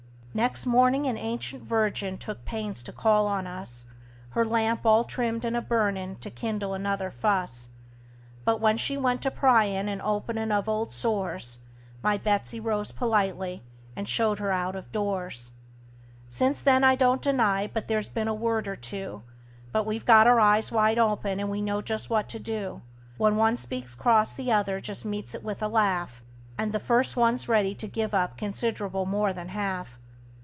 Next mornin' an ancient virgin took pains to call on us, Her lamp all trimmed and a burnin' to kindle another fuss; But when she went to pryin' and openin' of old sores, My Betsey rose politely, and showed her out of doors. "MY BETSEY ROSE POLITELY, AND SHOWED HER OUT OF DOORS." Since then I don't deny but there's been a word or two; But we've got our eyes wide open, and know just what to do: When one speaks cross the other just meets it with a laugh, And the first one's ready to give up considerable more than half.